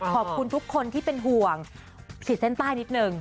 ขอบคุณทุกคนที่เป็นห่วงขีดเส้นใต้นิดนึง